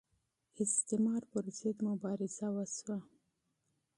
استعمار پر ضد مبارزه وشوه